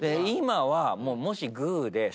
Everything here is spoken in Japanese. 今はもしグーで。